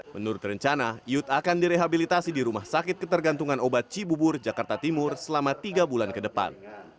menurut rencana yut akan direhabilitasi di rumah sakit ketergantungan obat cibubur jakarta timur selama tiga bulan ke depan